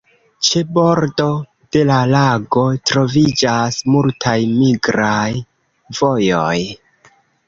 Ĉe bordo de la lago troviĝas multaj migraj vojoj.